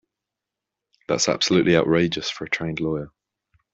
That's absolutely outrageous for a trained lawyer.